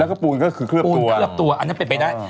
แล้วก็ปูนก็คือเคลือบตัวอันนั้นเป็นไปได้